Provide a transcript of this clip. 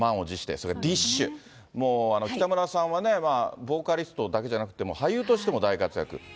それからディッシュ、北村さんはボーカリストだけじゃなくて、俳優としても大活躍。